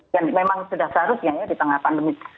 yang memang sudah seharusnya ya di tengah pandemi